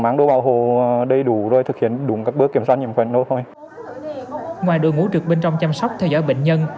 ngoài đội ngũ trực bên trong chăm sóc theo dõi bệnh nhân